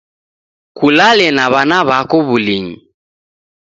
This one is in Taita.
Kulale na w'ana wako w'ulinyi